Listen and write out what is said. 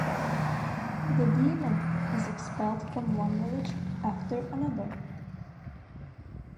The demon is expelled from one village after another.